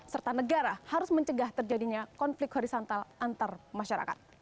serta negara harus mencegah terjadinya konflik horizontal antar masyarakat